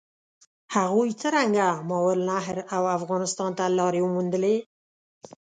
هغوی څرنګه ماورالنهر او افغانستان ته لارې وموندلې؟